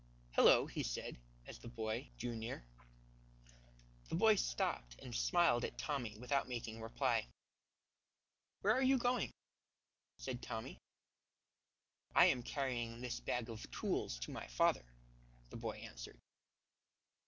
"Hello," he said, as the boy drew near. The boy stopped and smiled at Tommy without making reply. "Where are you going?" said Tommy. "I am carrying this bag of tools to my father," the boy answered.